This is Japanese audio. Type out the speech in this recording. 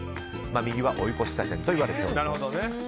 右は追い越し車線といわれております。